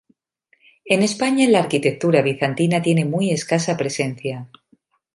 En España la arquitectura bizantina tiene muy escasa presencia.